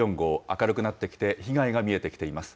明るくなってきて、被害が見えてきています。